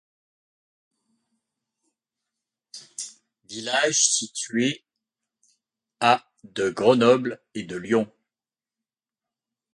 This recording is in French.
Village situé à de Grenoble et de Lyon.